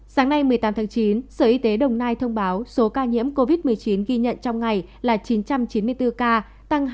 sáng nay một mươi tám tháng chín sở y tế đồng nai thông báo số ca nhiễm covid một mươi chín ghi nhận trong ngày là chín trăm chín mươi bốn ca tăng hai trăm hai mươi một bảy